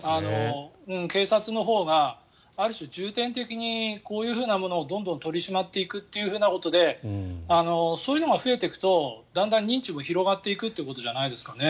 警察のほうがある種、重点的にこういうふうなものをどんどん取り締まっていくということでそういうのが増えていくとだんだん認知も広がっていくということじゃないですかね。